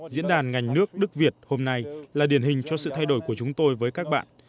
diễn đàn ngành nước đức việt hôm nay là điển hình cho sự thay đổi của chúng tôi với các bạn